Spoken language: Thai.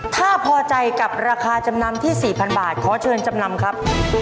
ถ้าพอใจกับราคาจำนำที่๔๐๐บาทขอเชิญจำนำครับ